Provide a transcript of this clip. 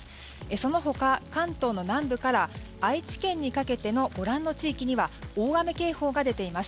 その他、関東の南部から愛知県にかけてのご覧の地域には大雨警報が出されています。